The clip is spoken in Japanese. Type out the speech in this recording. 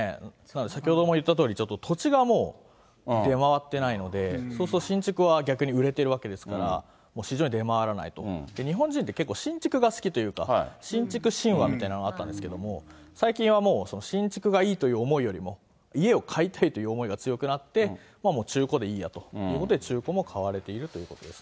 先ほども言ったとおり、ちょっと土地がもう、出回ってないので、そうすると、新築は逆に売れてるわけですから、市場に出回らないと、日本人って、結構新築が好きというか、新築神話みたいなものがあったんですけど、最近はもう、新築がいいという思いよりも、家を買いたいという思いが強くなって、中古でいいやということで、中古も買われているということですね。